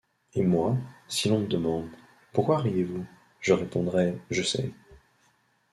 Et moi, si l’on me demande: Pourquoi riez-vous? je répondrai : Je sais.